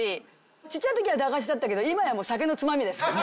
小っちゃい時は駄菓子だったけど今やもう酒のツマミです。